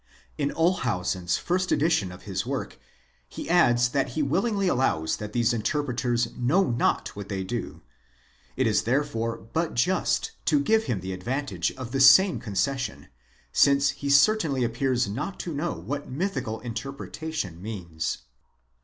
* In Olshausen's first edition of his work, he adds that he willingly allows that these interpreters know not what they do: it is therefore but just to give him the advantage of the same concession, since he certainly appears not to know what mythical interpretation means.